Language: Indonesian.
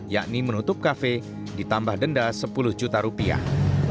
yakni menutup kafe ditambah denda sepuluh juta rupiah